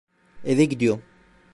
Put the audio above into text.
Eve gidiyorum.